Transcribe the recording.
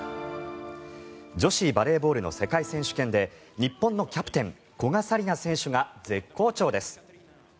女子バレーボールの世界選手権で日本のキャプテン古賀紗理那選手が絶好調です。